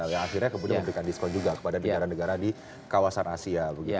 yang akhirnya kemudian memberikan diskon juga kepada negara negara di kawasan asia